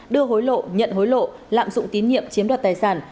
đưa hối lộ nhận hối lộ lạm dụng tín nhiệm chiếm đoạt tài sản